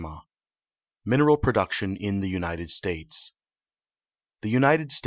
■ MINERAL PRODUCTION IN THE UNITED STATES The United State.